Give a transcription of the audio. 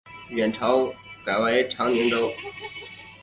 元朝改为长宁州。